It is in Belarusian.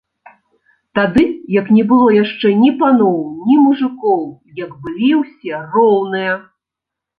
Тады, як не было яшчэ ні паноў, ні мужыкоў, як былі ўсе роўныя.